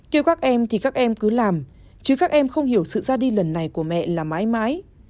kêu các em thì các em cứ làm chứ các em không hiểu sự ra đi lần này của mẹ là mãi mãi